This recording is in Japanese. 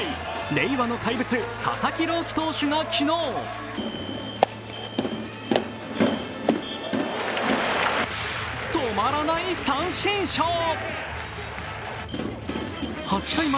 令和の怪物、佐々木朗希投手が昨日止まらない三振ショー。